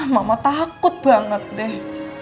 mama takut banget deh